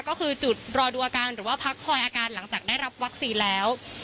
ก็คือจุดรอดูอาการหรือว่าพักคอยอาการหลังจากได้รับวัคซีนแล้ว